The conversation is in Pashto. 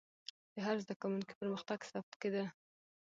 د هر زده کوونکي پرمختګ ثبت کېده.